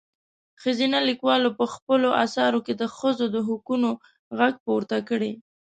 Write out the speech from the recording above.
ښځينه لیکوالو په خپلو اثارو کې د ښځو د حقونو غږ پورته کړی.